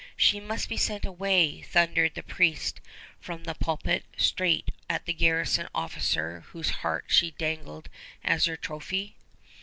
"She must be sent away," thundered the priest from the pulpit, straight at the garrison officer whose heart she dangled as her trophy.